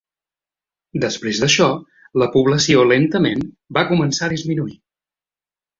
Després d'això, la població lentament va començar a disminuir.